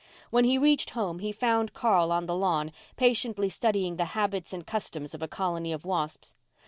When he reached home he found Carl on the lawn, patiently studying the habits and customs of a colony of wasps.